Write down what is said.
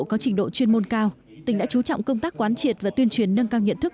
có trình độ chuyên môn cao tỉnh đã chú trọng công tác quán triệt và tuyên truyền nâng cao nhận thức